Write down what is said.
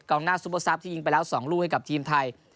หน้าซุปเปอร์ซับที่ยิงไปแล้ว๒ลูกให้กับทีมไทย